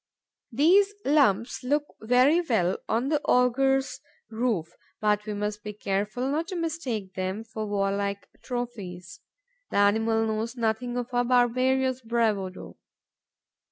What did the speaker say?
These lumps look very well on the ogre's roof; but we must be careful not to mistake them for warlike trophies. The animal knows nothing of our barbarous bravado.